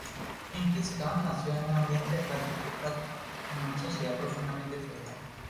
Genghis Kan nació en un ambiente aristocrático, en una sociedad profundamente feudal.